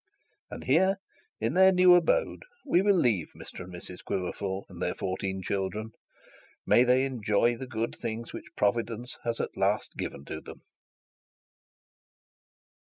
And here in their new abode we will leave Mr and Mrs Quiverful and their fourteen children. May they enjoy the good things which Providence has at length given to them!